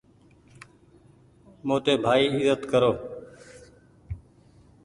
موٽي ڀآئي ايزت ڪرو۔